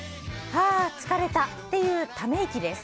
はあ、疲れたっていうため息です。